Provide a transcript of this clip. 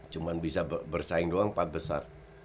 cuma bisa bersaing doang empat besar